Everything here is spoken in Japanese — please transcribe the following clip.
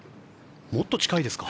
もっと近いですか？